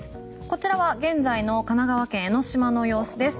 こちらは現在の神奈川県江の島の様子です。